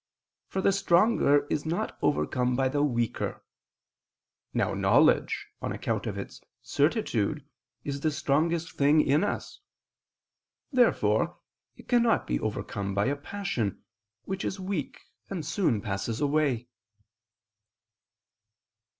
For the stronger is not overcome by the weaker. Now knowledge, on account of its certitude, is the strongest thing in us. Therefore it cannot be overcome by a passion, which is weak and soon passes away.